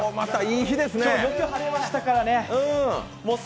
よく晴れましたからね。